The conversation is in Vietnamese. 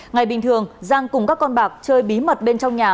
ngày bình thường giang cùng các con bạc chơi bí mật bên trong nhà